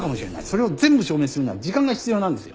それを全部証明するのは時間が必要なんですよ。